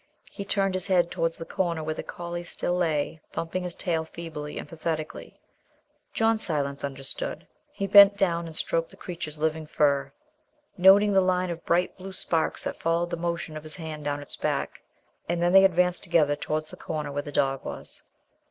He turned his head towards the corner where the collie still lay, thumping his tail feebly and pathetically. John Silence understood. He bent down and stroked the creature's living fur, noting the line of bright blue sparks that followed the motion of his hand down its back. And then they advanced together towards the corner where the dog was.